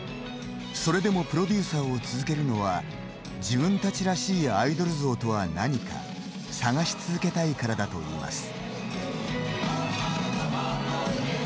それでもプロデューサーを続けるのは自分たちらしいアイドル像とは何か探し続けたいからだといいます。